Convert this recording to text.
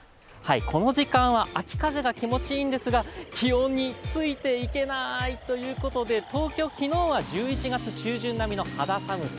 この時間は秋風が気持ちいいんですが、気温についていけないということで東京、昨日は１１月中旬並みの肌寒さ。